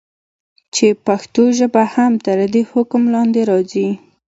چې پښتو ژبه هم تر دي حکم لاندي راځي.